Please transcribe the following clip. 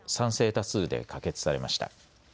多数で可決されました。